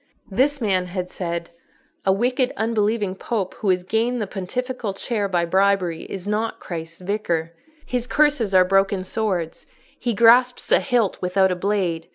This man had said, "A wicked, unbelieving Pope who has gained the pontifical chair by bribery is not Christ's Vicar. His curses are broken swords: he grasps a hilt without a blade.